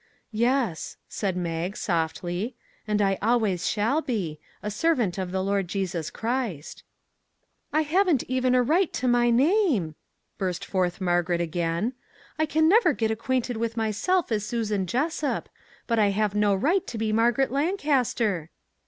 " Yes," said Mag, softly. " And I always shall be a servant of the Lord Jesus Christ." " I haven't even a right to my name !" burst forth Margaret again ;" I can never get ac quainted with myself as Susan Jessup; but I have no right to be Margaret Lancaster."